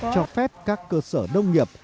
cho phép các cơ sở nông nghiệp